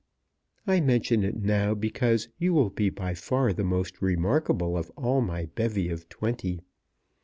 I mention it now, because you will be by far the most remarkable of all my bevy of twenty.